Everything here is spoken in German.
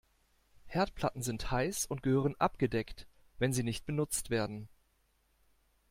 Herdplatten sind heiß und gehören abgedeckt, wenn sie nicht benutzt werden.